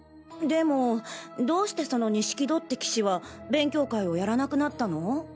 でもどうしてその錦戸って棋士は勉強会をやらなくなったの？